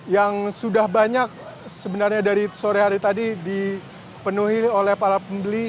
yang sudah banyak sebenarnya dari sore hari tadi dipenuhi oleh para pembeli